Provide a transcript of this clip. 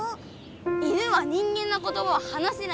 犬は人間のことばを話せないんだ。